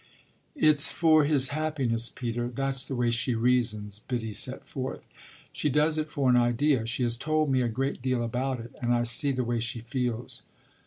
"It's for his happiness, Peter that's the way she reasons," Biddy set forth. "She does it for an idea; she has told me a great deal about it, and I see the way she feels."